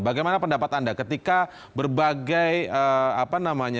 bagaimana pendapat anda ketika berbagai apa namanya